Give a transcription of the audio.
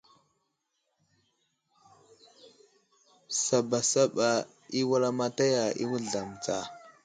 Sabasaba i wulamataya i wuzlam tsa.